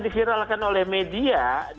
dikiralkan oleh media